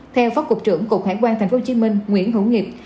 theo phó cục trưởng cục hải quan tp hcm nguyễn hữu nghiệp